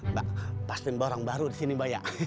mbak pastiin bawa orang baru disini mbak ya